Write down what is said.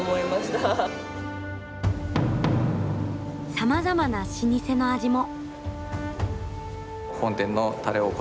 さまざまな老舗の味も。